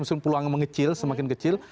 maksudnya peluangnya mengecil semakin kecil